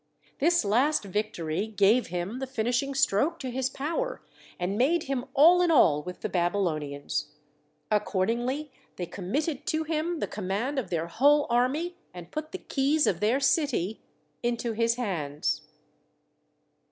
This last victory gave him the finishing stroke to his power and made him all in all with the Babylonians: accordingly they committed to him the command of their whole army, and put the keys of their city into his hands.